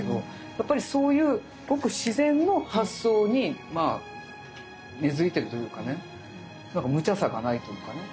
やっぱりそういうごく自然の発想に根づいてるというかねなんかむちゃさがないとかね。